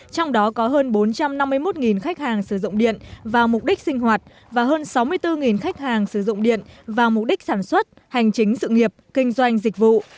trong đó có hơn bốn trăm năm mươi một khách hàng sử dụng điện vào mục đích sinh hoạt và hơn sáu mươi bốn khách hàng sử dụng điện vào mục đích sản xuất hành chính sự nghiệp kinh doanh dịch vụ